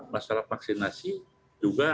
masalah vaksinasi juga